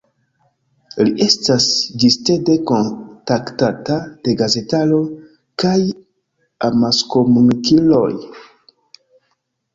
Li estas ĝistede kontaktata de gazetaro kaj amaskomunikiloj.